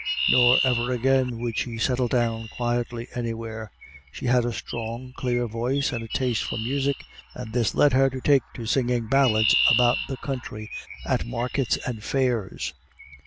Nor ever again would she settle down quietly anywhere. She had a strong, clear voice and a taste for music, and this led her to take to singing ballads about the country at markets and fairs.